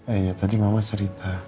eh ya tadi mama cerita